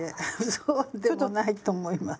そうでもないと思います。